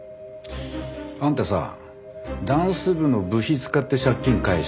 あんたさダンス部の部費使って借金返したんでしょ？